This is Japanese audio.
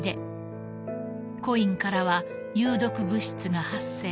［コインからは有毒物質が発生］